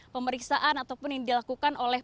pemeriksaan ataupun yang dilakukan oleh